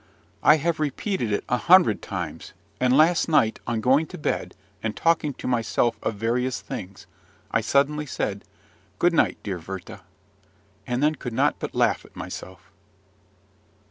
I have repeated it a hundred times; and last night, on going to bed, and talking to myself of various things, I suddenly said, "Good night, dear Werther!" and then could not but laugh at myself.